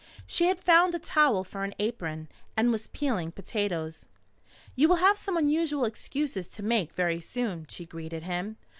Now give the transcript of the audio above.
She had found a towel for an apron, and was peeling potatoes. "You will have some unusual excuses to make very soon," she greeted him.